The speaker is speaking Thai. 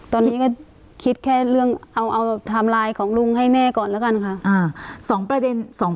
ตอนนี้ก็คิดแค่เรื่องเอาไทม์ไลน์ของลุงให้แน่ก่อนแล้วกันค่ะ